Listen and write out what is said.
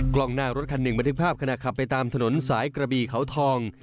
กล้องหน้ารถคันหนึ่งบันทึกภาพขณะขับไปตามถนนสายกระบี่เขาทอง